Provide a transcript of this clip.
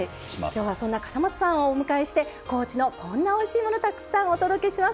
今日はそんな笠松さんをお迎えして高知のこんなおいしいものたくさんお届けします。